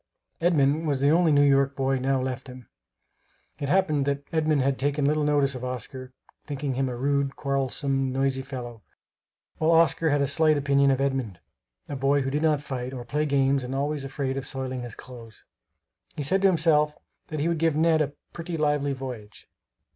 Edmund was the only New York boy now left him. It happened that Edmund had taken little notice of Oscar, thinking him a rude, quarrelsome, noisy fellow; while Oscar had a slight opinion of Edmund a boy who did not fight, or play games, and always afraid of soiling his clothes. He said to himself that he would "give Ned a pretty lively voyage."